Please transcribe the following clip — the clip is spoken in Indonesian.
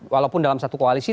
walaupun dalam satu koalisi